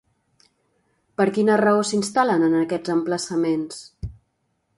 Per quina raó s'instal·len en aquests emplaçaments?